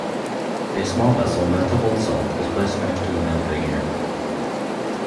A small vessel meant to hold salt is placed next to the male figure.